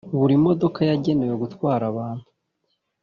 Buri modoka yagenewe gutwara abantu